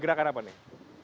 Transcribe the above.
gerakan apa nih